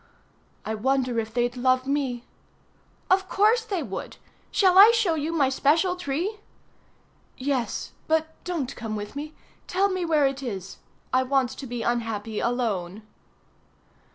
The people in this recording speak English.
"I wonder if they'd love me." "Of course they would. Shall I show you my special tree?" "Yes, but don't come with me; tell me where it is. I want to be unhappy alone."